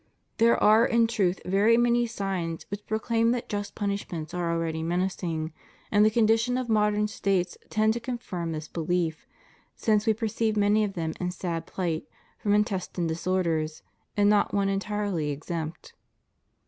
There are in truth very many signs which proclaim that just punishments are already menacing, and the condition of modern States tends to confirm this belief, since we per ceive many of them in sad pHght from intestine disorders, and not one entirely exempt.